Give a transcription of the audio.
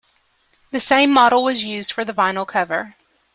The same model was used for the vinyl cover.